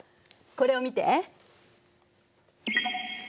これを見て。